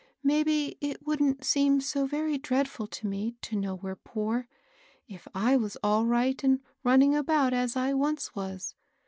Maybe it wouldn't seem so very dreadful to me to know we're poor, if I was all right and running about, as I once was.